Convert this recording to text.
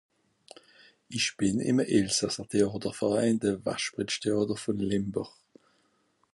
Ìch bìn ìm e elsasser Téàter Verein, de Waschpritch Téàter vùn Lìmbàch.